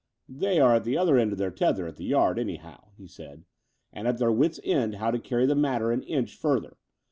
"They are at the end of their tether at the Yard, anyhow," he said, "and at their wits' end how to carry the matter an inch further.